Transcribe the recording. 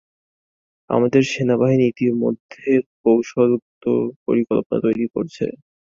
আমাদের সেনাবাহিনী ইতিমধ্যে কৌশলগত পরিকল্পনা তৈরি করেছে।